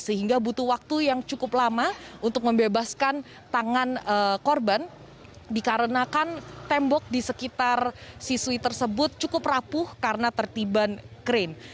sehingga butuh waktu yang cukup lama untuk membebaskan tangan korban dikarenakan tembok di sekitar siswi tersebut cukup rapuh karena tertiban krain